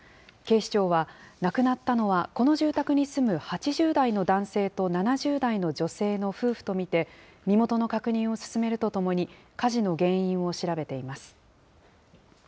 警視庁は、亡くなったのはこの住宅に住む８０代の男性と７０代の女性の夫婦と見て、身元の確認を進めるとともに、火事の原因を調べています。